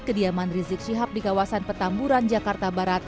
kediaman rizik syihab di kawasan petamburan jakarta barat